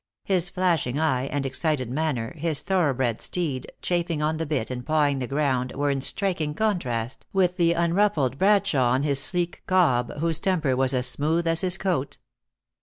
His flashing eye and excited manner, his thoroughbred steed, chafing on the bit and pawing the ground, were in striking contrast with the unruffled Bradshawe on his sleek cob, whose temper was as smooth as his coat.